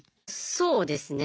そうですね。